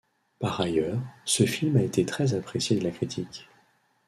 Par ailleurs, ce film a été très apprécié de la critique.